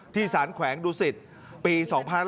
ที่สารแขวงดุศิษฐ์ปี๒๐๖๔